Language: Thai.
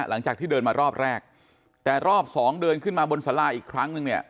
หลังจากที่เดินมารอบแรกแต่รอบสองเดินขึ้นมาบนสาราอีกครั้งนึงเนี่ย